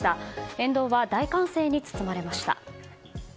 沿道は大歓声に包まれました。